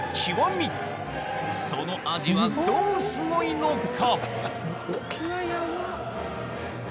その味はどうすごいのか？